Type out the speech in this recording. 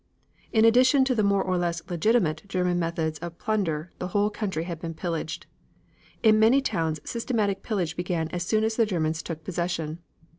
In addition to the more or less legitimate German methods of plunder the whole country had been pillaged. In many towns systematic pillage began as soon as the Germans took possession.